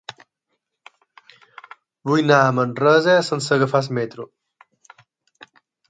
Vull anar a Manresa sense agafar el metro.